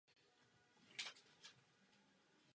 Kromě nich tam ještě stávala i pila.